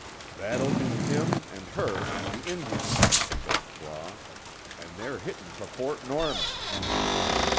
"That'll be him, an' her, an' the Injun," said Claw, "an' they're hittin' fer Fort Norman."